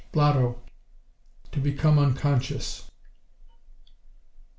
Blotto To become unconscious.